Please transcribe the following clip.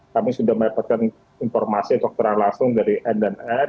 kami sudah mendapatkan informasi dokter langsung dari n dan r